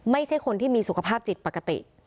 ไม่ใช่คนที่มีสุขภาพจิตปกติ